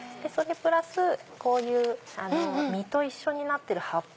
プラスこういう実と一緒になってる葉っぱ。